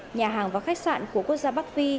ngành du lịch nhà hàng và khách sạn của quốc gia bắc phi